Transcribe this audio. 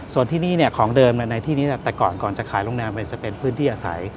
ส่วนที่นี่ของเดิมในที่นี้แต่ก่อนก่อนจะขายโรงแรมจะเป็นพื้นที่อาศัย